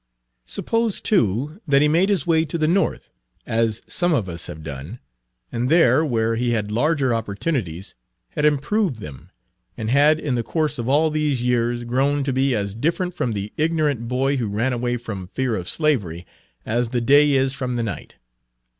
Suppose, too, that he made his way to the North as some of us have done, and there, where he had larger opportunities, had improved them, and had in the course of all these years grown to be as different from the ignorant boy who ran away from fear of slavery as the day is from the night.